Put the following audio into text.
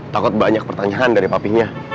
takut banyak pertanyaan dari papinya